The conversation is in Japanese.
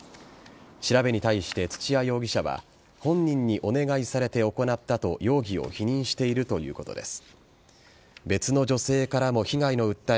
調べに対して、土谷容疑者は本人にお願いされて行ったと容疑を否認しているということです。